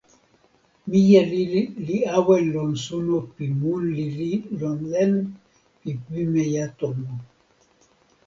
mije lili li awen lon suno pi mun lili lon len pi pimeja tomo.